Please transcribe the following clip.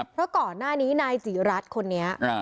เพราะก่อนหน้านี้นายจีรัฐคนนี้